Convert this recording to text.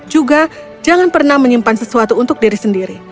juga jangan pernah menyimpan sesuatu untuk diri sendiri